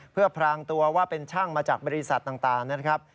เพื่อพรางตัวว่าเป็นช่างมาจากบริษัทต่างนะครับ